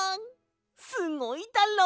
すごいだろ！